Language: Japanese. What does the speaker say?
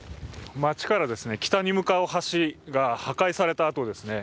街から北に向かう橋が破壊された跡ですね。